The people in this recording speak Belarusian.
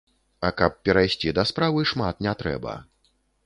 А каб перайсці да справы, шмат не трэба.